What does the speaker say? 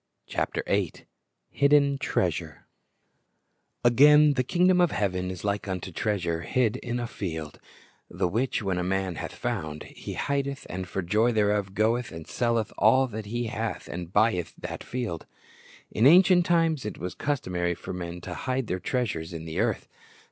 ' I Peter i : 15, 16 Hidde n Tr easure /\GAIN, the kingdom of heaven is like unto treasure hid in a field; the which when a man hath found, he hideth, and for joy thereof goeth and selleth all that he hath, and buyeth that field." In ancient times it was customary for men to hide their treasures in the earth.